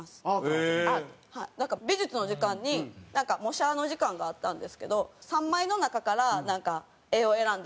はいなんか美術の時間になんか模写の時間があったんですけど３枚の中からなんか絵を選んでいいってなってた。